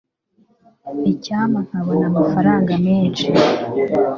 icyampa nkabona amafaranga menshi